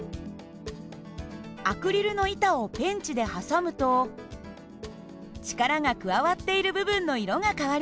アクリルの板をペンチで挟むと力が加わっている部分の色が変わりました。